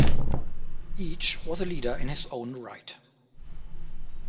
Each was a leader in his own right.